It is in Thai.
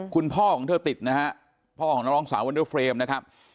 คุณพ่อของเธอติดนะฮะพ่อของนักร้องสาววันเดอร์เฟรมนะครับ